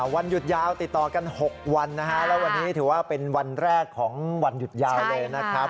วันหยุดยาวติดต่อกัน๖วันนะฮะแล้ววันนี้ถือว่าเป็นวันแรกของวันหยุดยาวเลยนะครับ